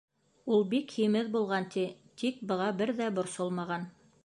Ул бик һимеҙ булған, ти, тик быға бер ҙә борсолмаған.